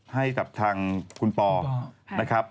ให้กับทางคุณปอนะครับ